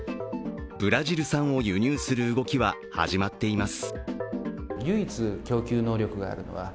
ブラジル産を輸入する動きは始まっています。